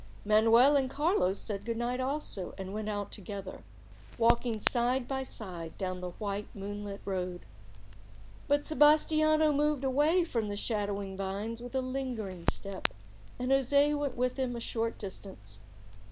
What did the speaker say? Manuel and Carlos said good night also, and went out together, walking side by side down the white moonlit road; but Sebas tiano moved away from the shadowing vines with a lingering step, and José went with him a short distance.